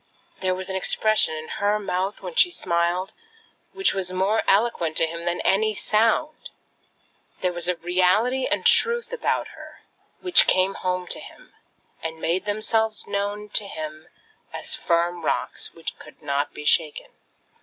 There was an expression in her mouth when she smiled, which was more eloquent to him than any sound. There were a reality and a truth about her which came home to him, and made themselves known to him as firm rocks which could not be shaken.